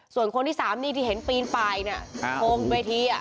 ส่วนคนที่๓นี่ที่เห็นปีนไปเนี่ยโพงเวที